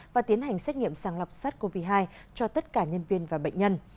và tiến hành xét nghiệm sàng lọc sars cov hai cho tất cả nhân viên và bệnh nhân